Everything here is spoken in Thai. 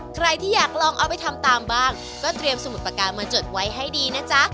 ใครที่อยากลองเอาไปทำตามบ้างก็เตรียมสมุดปากกามาจดไว้ให้ดีนะจ๊ะ